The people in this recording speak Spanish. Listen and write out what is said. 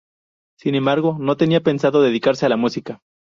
Sin embargo, no tenía pensado dedicarse a la música.